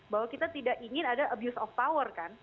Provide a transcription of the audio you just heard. bahwa kita tidak ingin ada abuse of power kan